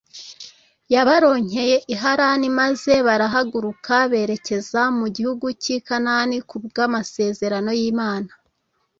yabaronkeye i Harani maze barahaguruka berekeza mu gihugu cy i Kanani ku bw’ Amasezerano y’ imana